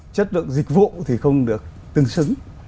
chất lượng dịch vụ thì không được tương xứng